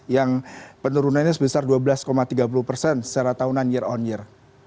yang penurunannya sebesar dua belas tiga puluh persen secara tahunan year on year